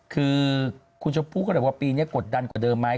คือคุณชมพู่ก็เลยบอกว่าปีนี้กดดันกว่าเดิมไหม